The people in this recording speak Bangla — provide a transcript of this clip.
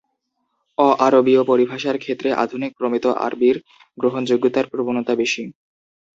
অ-আরবিয় পরিভাষার ক্ষেত্রে আধুনিক প্রমিত আরবির গ্রহণযোগ্যতার প্রবণতা বেশি।